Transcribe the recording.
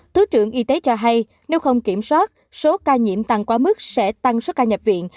thứ trưởng y tế cho hay nếu không kiểm soát số ca nhiễm tăng quá mức sẽ tăng số ca nhập viện